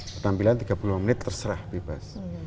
penampilan tiga puluh lima menit terserah bebas